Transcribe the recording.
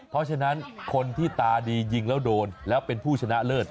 เพราะฉะนั้นคนที่ตาดียิงแล้วโดนแล้วเป็นผู้ชนะเลิศ